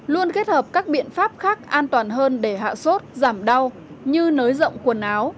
luôn kết hợp các biện pháp khác an toàn hơn để hạ sốt giảm đau như nới rộng quần áo